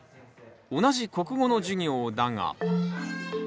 同じ国語の授業だが。